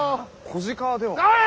子鹿では？